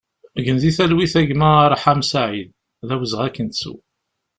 Gen di talwit a gma Arḥam Saïd, d awezɣi ad k-nettu!